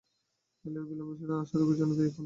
আপুর বিলম্বিত নাসা রোগের জন্য দায়ী কোন ছত্রাক?